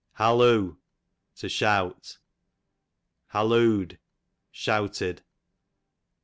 Halloo, to shout. Halloo'd, shouted.